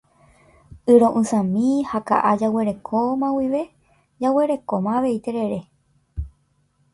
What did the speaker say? Y ro'ysãmi ha ka'a jaguerekóma guive jaguerekóma avei terere.